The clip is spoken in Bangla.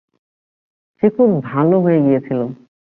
সে খুব ভাল হয়ে গিয়েছিল।